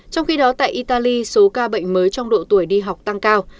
trong khi đó tại italy số ca bệnh mới trong độ tuổi đi học tăng cao